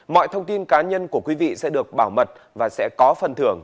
mọi thông tin cá nhân của quý vị sẽ được bảo mật và sẽ có phần thưởng